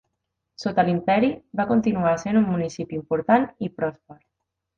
Sota l'imperi, va continuar sent un municipi important i pròsper.